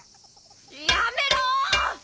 やめろ！